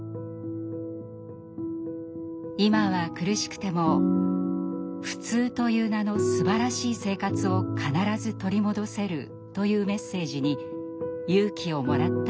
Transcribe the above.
今は苦しくても「普通という名の素晴らしい生活」を必ず取り戻せるというメッセージに勇気をもらったといいます。